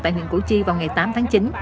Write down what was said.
tại huyện củ chi vào ngày tám tháng chín